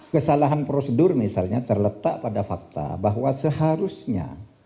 kesalahan prosedur misalnya terletak pada fakta bahwa seharusnya